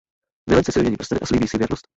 Milenci si vymění prsteny a slíbí si věrnost.